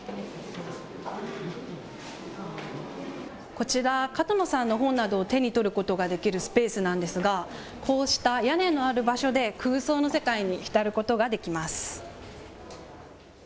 こちら、角野さんの本などを手に取ることができるスペースなんですが、こうした屋根のある場所で空想の世界に浸ることができます。